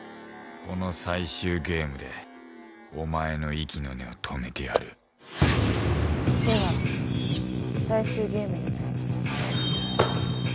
この最終ゲームでお前の息の根を止めてやるでは最終ゲームに移ります。